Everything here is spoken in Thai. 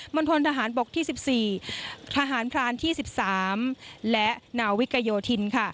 ณฑนทหารบกที่๑๔ทหารพรานที่๑๓และนาวิกโยธินค่ะ